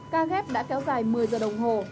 ca ghép đã kéo dài một mươi giờ đồng hồ